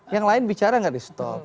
yang lain bicara nggak di stop